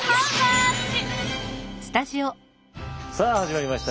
さあ始まりました。